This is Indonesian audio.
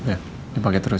ya ini pake terus ya